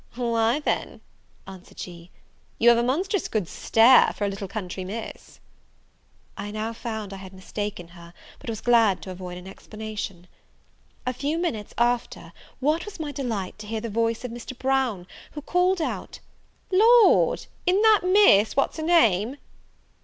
"Why then," answered she, "you have a monstrous good stare, for a little county Miss." I now found I had mistaken her, but was glad to avoid an explanation. A few minutes after, what was my delight to hear the voice of Mr. Brown, who called out," Lord, i'n't that Miss what's her name?"